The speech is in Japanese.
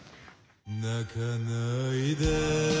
「泣かないで」